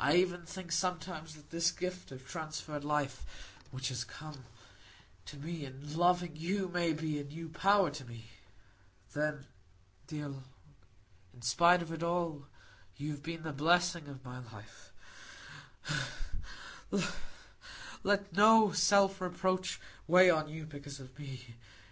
I even think sometimes that this gift of transferred life which has come to me in loving you, may be a new power to me. "Then, dear one, in spite of all, you have been the blessing of my life. Let no self reproach weigh on you because of me.